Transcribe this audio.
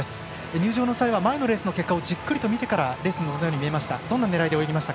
入場の際は前のレースの結果をじっくり見てからレースに臨んだように見えました。